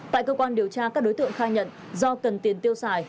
tại cơ quan điều tra các đối tượng khai nhận do cần tiền tiêu xài